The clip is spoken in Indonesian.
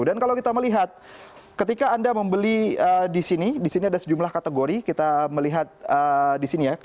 dan kalau kita melihat ketika anda membeli di sini di sini ada sejumlah kategori kita melihat di sini ya